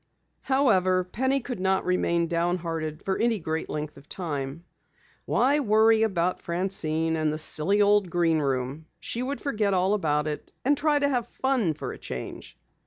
However, Penny could not remain downhearted for any great length of time. Why worry about Francine and the silly old Green Room? She would forget all about it and try to have fun for a change.